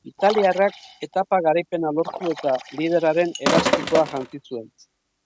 Italiarrak etapa garaipena lortu eta liderraren elastikoa jantzi zuen.